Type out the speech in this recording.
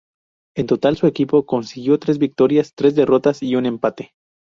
En total, su equipo consiguió tres victorias, tres derrotas y un empate.